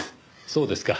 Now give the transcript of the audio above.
そうですか。